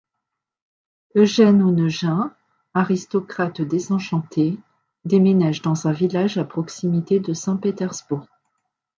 Eugene Onegin, aristocrate désenchanté, déménage dans un village à proximité de Saint-Pétersbourg.